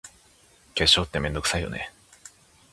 化粧って、めんどくさいよね。